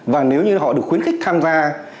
và nếu như họ được khuyến khích tham gia